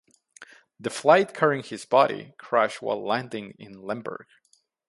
The flight carrying his body crashed while landing in Lemberg.